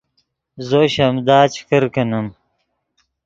زو شیمدا چے کرکینیم